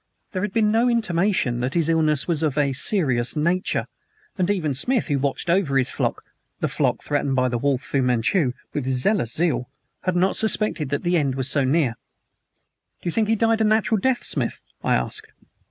There had been no intimation that his illness was of a serious nature, and even Smith, who watched over his flock the flock threatened by the wolf, Fu Manchu with jealous zeal, had not suspected that the end was so near. "Do you think he died a natural death, Smith?" I asked.